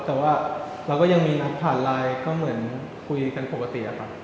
แต่ว่าเราก็ยังมีนัดผ่านไลน์ก็เหมือนคุยกันปกติครับ